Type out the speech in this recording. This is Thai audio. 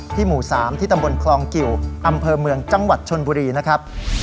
หมู่๓ที่ตำบลคลองกิวอำเภอเมืองจังหวัดชนบุรีนะครับ